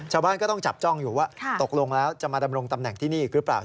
ชาวบ้านก็ต้องจับจ้องอยู่ว่าตกลงแล้วจะมาดำรงตำแหน่งที่นี่อีกหรือเปล่า